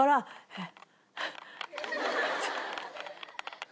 えっ？